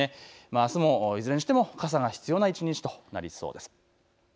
あすもいずれにしても傘が必要な一日となりそうです。